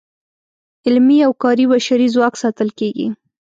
علمي او کاري بشري ځواک ساتل کیږي.